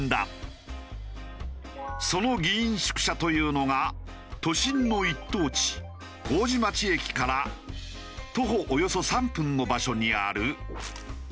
その議員宿舎というのが都心の一等地麹町駅から徒歩およそ３分の場所にある。